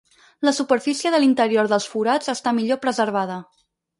La superfície de l'interior dels forats està millor preservada.